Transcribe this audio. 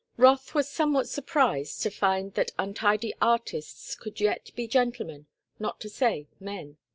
Rothe was somewhat surprised to find that untidy artists could yet be gentlemen not to say men.